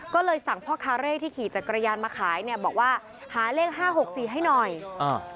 ก็เลยสั่งพ่อคาเร่ที่ขี่จักรยานมาขายเนี่ยบอกว่าหาเลขห้าหกสี่ให้หน่อยอ่า